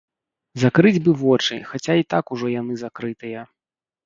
Закрыць бы вочы, хаця і так ужо яны закрытыя.